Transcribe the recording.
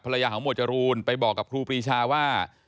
ยาของหมวดจรูนไปบอกกับครูปรีชาว่า